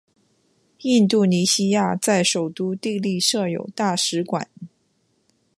印度尼西亚在首都帝力设有大使馆。